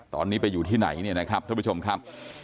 ตอนนี้ไปอยู่ที่ไหนเนี่ยนะครับท่านผู้ชมครับ